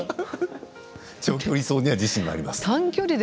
長距離走には自信がありますと。